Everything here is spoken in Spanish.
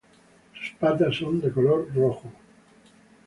Sus patas son de color rojo.